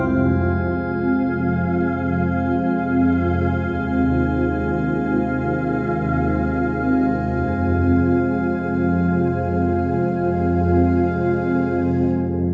โปรดติดตามตอนต่อไป